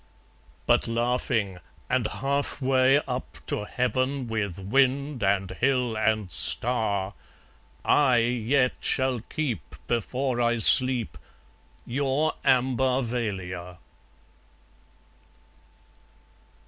But laughing and half way up to heaven, With wind and hill and star, I yet shall keep, before I sleep, Your Ambarvalia.